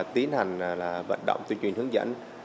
tiến hành vận động tuyên truyền hướng dẫn